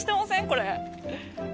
これ。